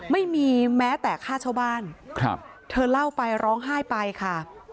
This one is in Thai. ไม่มีแม้แต่ค่าเช่าบ้านครับเธอเล่าไปร้องไห้ไปค่ะ